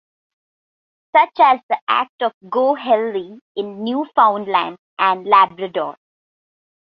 Such as the act of 'Go Healthy' in Newfoundland and Labrador.